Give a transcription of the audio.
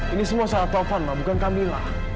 ini semua salah taufan ma bukan kamila